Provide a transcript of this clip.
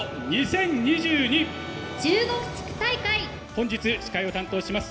本日司会を担当します